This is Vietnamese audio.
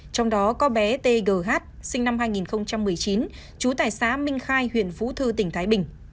trong đó có bé t g h sinh năm hai nghìn một mươi chín chú tài xá minh khai huyện phú thư tỉnh thái bình